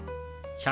「１００」。